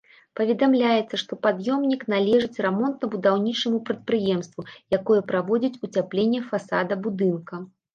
Паведамляецца, што пад'ёмнік належыць рамонтна-будаўнічаму прадпрыемству, якое праводзіць уцяпленне фасада будынка.